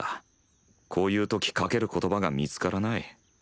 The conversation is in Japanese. こういう時かける言葉が見つからない。